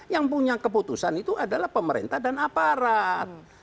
yang punya keputusan itu adalah pemerintah dan aparat